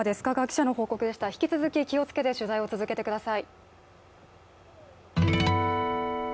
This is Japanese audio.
引き続き気をつけて取材をしてください。